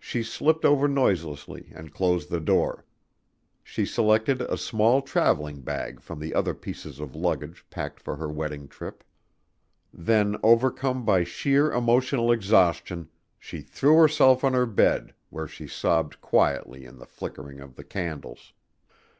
She slipped over noiselessly and closed her door. She selected a small traveling bag from the other pieces of luggage packed for her wedding trip. Then, overcome by sheer emotional exhaustion, she threw herself on her bed where she sobbed quietly in the flickering of the candles.